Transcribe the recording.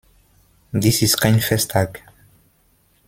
Dies ist kein Festtag.